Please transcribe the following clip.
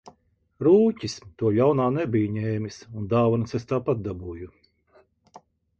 Rūķis to ļaunā nebija ņēmis un dāvanas es tāpat dabūju.